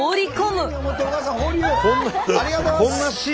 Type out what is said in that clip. ありがとうございます！